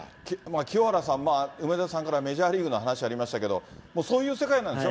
清原さん、梅沢さんからメジャーリーグの話、ありましたけれども、そういう世界なんでしょ？